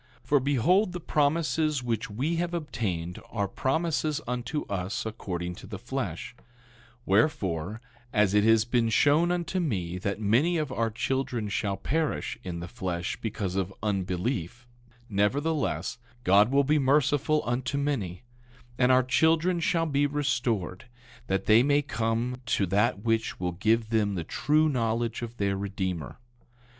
10:2 For behold, the promises which we have obtained are promises unto us according to the flesh; wherefore, as it has been shown unto me that many of our children shall perish in the flesh because of unbelief, nevertheless, God will be merciful unto many; and our children shall be restored, that they may come to that which will give them the true knowledge of their Redeemer.